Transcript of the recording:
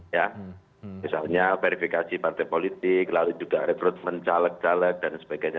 ya misalnya verifikasi partai politik lalu juga rekrutmen caleg caleg dan sebagainya